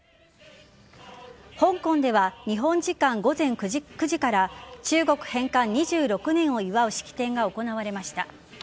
香港では日本時間午前９時から中国返還２６年を祝う式典が行われました。